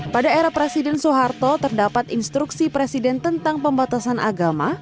pada era presiden soeharto terdapat instruksi presiden tentang pembatasan agama